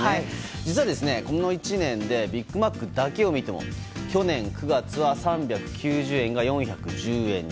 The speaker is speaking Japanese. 実は、この１年でビッグマックだけを見ても去年９月は３９０円が４１０円に。